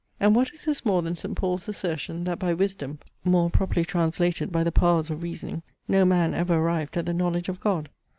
And what is this more than St. Paul's assertion, that by wisdom, (more properly translated by the powers of reasoning) no man ever arrived at the knowledge of God?